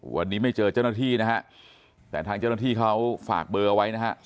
วันนี้ไม่เจอเจ้าหน้าที่นะฮะแต่ทางเจ้าหน้าที่เขาฝากเบอร์เอาไว้นะฮะ